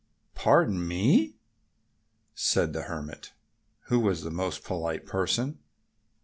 "Pardon me!" said the Hermit, who was a most polite person.